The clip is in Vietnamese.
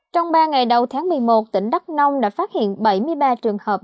trong ba ngày đầu tháng một mươi một tỉnh đắk nông đã phát hiện bảy mươi ba trường hợp